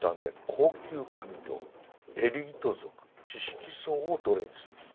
高級官僚エリート族知識層を奴隷にするんです。